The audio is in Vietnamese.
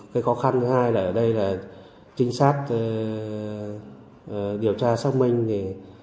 cái khó khăn thứ hai là ở đây là trinh sát điều tra xác minh thì